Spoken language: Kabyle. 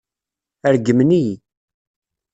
Regmen-iyi.